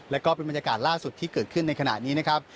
แล้วก็เป็นบรรยากาศล่าสุดที่เกิดขึ้นในขณะนี้นะครับ